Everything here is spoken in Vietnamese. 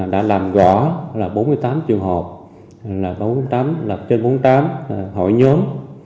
đã làm gõ là bốn mươi tám trường hợp là trên bốn mươi tám hội nhân